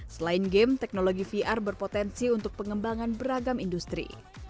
selain game teknologi vr berpotensi untuk pengembangan beragam industri